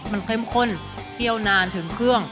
มันเข้มข้นเคี่ยวนานถึงเครื่อง